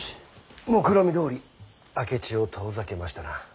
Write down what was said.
もくろみどおり明智を遠ざけましたな。